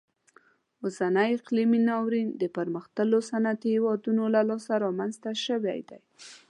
اوسنی اقلیمي ناورین د پرمختللو صنعتي هیوادونو له لاسه رامنځته شوی دی.